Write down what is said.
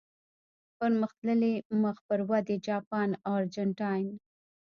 پرمختللي، مخ پر ودې، جاپان او ارجنټاین.